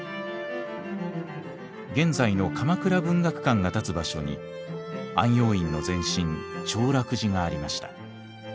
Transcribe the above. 現在の鎌倉文学館が立つ場所に安養院の前身長楽寺がありました。